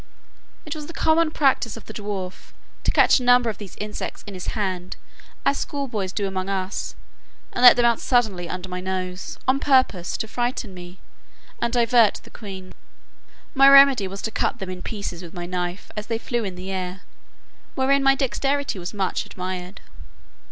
It was the common practice of the dwarf, to catch a number of these insects in his hand, as schoolboys do among us, and let them out suddenly under my nose, on purpose to frighten me, and divert the queen. My remedy was to cut them in pieces with my knife, as they flew in the air, wherein my dexterity was much admired.